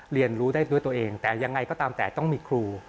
เรียนรู้ได้ด้วยตัวเองแต่ยังไงก็ตามแต่ต้องมีครู